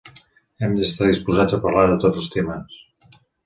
Hem d'estar disposats a parlar de tots els temes.